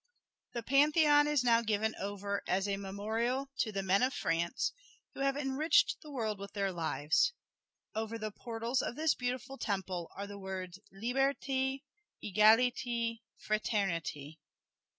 The Pantheon is now given over as a memorial to the men of France who have enriched the world with their lives. Over the portals of this beautiful temple are the words, "Liberte, Egalite, Fraternite."